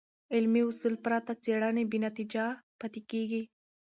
علمي اصول پرته څېړنې بېنتیجه پاتې کېږي.